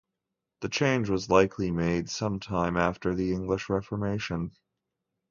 The change was likely made some time after the English Reformation.